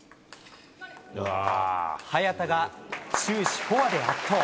早田が終始、フォアで圧倒。